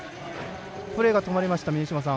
プレーが止まりました。